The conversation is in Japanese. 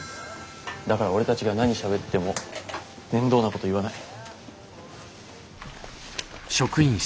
だから俺たちが何しゃべっても面倒なこと言わない。